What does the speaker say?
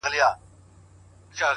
• ستا مين درياب سره ياري کوي ـ